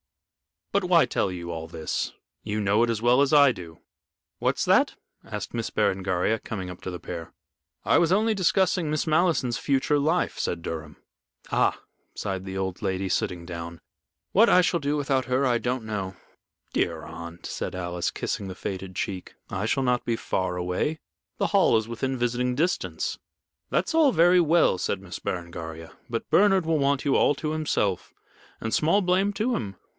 But why tell you all this you know it as well as I do." "What's that?" asked Miss Berengaria, coming up to the pair. "I was only discussing Miss Malleson's future life," said Durham. "Ah," sighed the old lady, sitting down. "What I shall do without her I don't know." "Dear aunt," said Alice, kissing the faded cheek, "I shall not be far away. The Hall is within visiting distance." "That's all very well," said Miss Berengaria. "But Bernard will want you all to himself, and small blame to him.